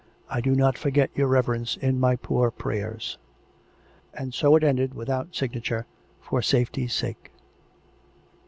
I do not forget your reverence in my poor prayers." And so it ended, without signature — for safety's sake.